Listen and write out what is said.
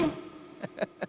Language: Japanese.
アハハハ！